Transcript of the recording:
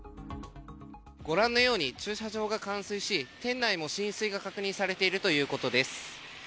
ご覧のように駐車場が冠水し店内も浸水が確認されているということです。